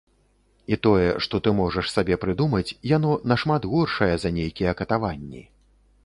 І тое, што ты можаш сабе прыдумаць, яно нашмат горшае за нейкія катаванні.